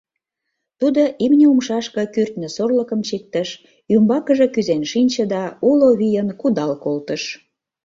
Тудо имне умшашке кӱртньӧ сорлыкым чиктыш, ӱмбакыже кӱзен шинче да уло вийын кудал колтыш.